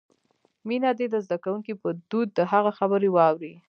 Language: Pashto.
مينه دې د زدکونکې په دود د هغه خبرې واوري.